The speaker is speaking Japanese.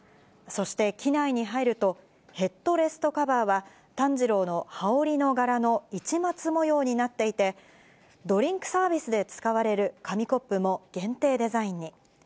そして機内に入ると、ヘッドレストカバーは、炭治郎の羽織の柄の市松模様になっていて、ドリンクサービスで使われる紙コップも限定デザインに。